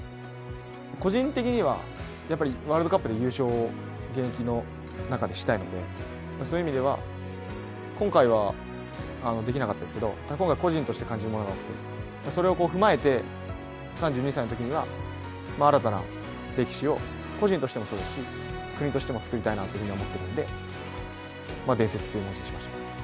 個人的には、やっぱりワールドカップで優勝、現役の中でしたいのでそういう意味では今回は出来なかったですけど今回個人として感じるものが多くて、それを踏まえて、３２歳のときには新たな歴史を個人としてもそうですし国としてもつくりたいなと思っているので伝説という文字にしました。